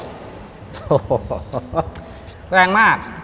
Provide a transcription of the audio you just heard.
โหแรงมาก